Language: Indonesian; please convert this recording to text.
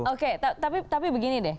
oke tapi begini deh